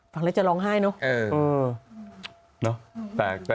ฝั่งเล็กจะร้องไห้เนอะ